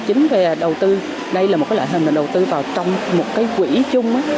chính về đầu tư đây là một loại hình đầu tư vào trong một quỹ chung